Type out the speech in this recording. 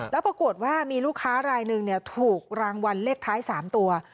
แล้วปรากฏว่ามีลูกค้ารายหนึ่งถูกรางวัลเลขท้าย๓ตัว